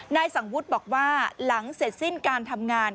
นายสังวุฒิบอกว่าหลังเสร็จสิ้นการทำงาน